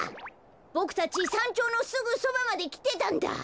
ボクたちさんちょうのすぐそばまできてたんだ。